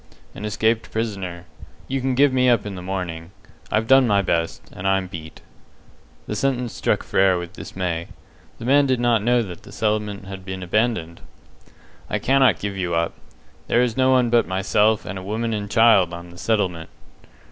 "An escaped prisoner. You can give me up in the morning. I've done my best, and I'm beat." The sentence struck Frere with dismay. The man did not know that the settlement had been abandoned! "I cannot give you up. There is no one but myself and a woman and child on the settlement."